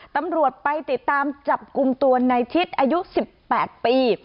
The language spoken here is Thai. ตำรวจไปติดตามจับกลุ่มตัวในชิดอายุ๑๘ปี